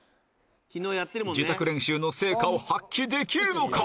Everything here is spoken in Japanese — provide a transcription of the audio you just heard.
自宅練習の成果を発揮できるのか？